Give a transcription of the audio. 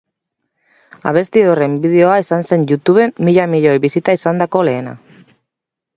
Abesti horren bideoa izan zen YouTuben mila milioi bisita izandako lehena.